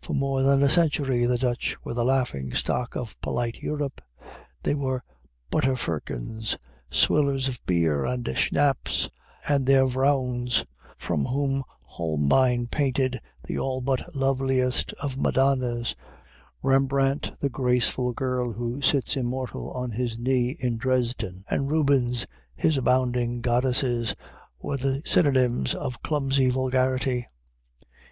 For more than a century the Dutch were the laughing stock of polite Europe. They were butter firkins, swillers of beer and schnaps, and their vrouws from whom Holbein painted the all but loveliest of Madonnas, Rembrandt the graceful girl who sits immortal on his knee in Dresden, and Rubens his abounding goddesses, were the synonymes of clumsy vulgarity.